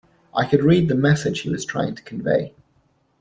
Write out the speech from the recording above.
I could read the message he was trying to convey.